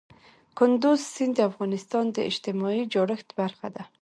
کندز سیند د افغانستان د اجتماعي جوړښت برخه ده.